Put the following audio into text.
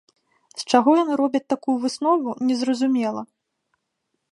З чаго яны робяць такую выснову, незразумела.